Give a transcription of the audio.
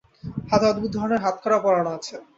হাতে অদ্ভুত ধরনের হাতকড়া পরানো আছে।